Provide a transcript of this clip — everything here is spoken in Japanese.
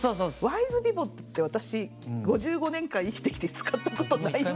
ワイズピボットって私５５年間生きてきて使ったことないんですけど。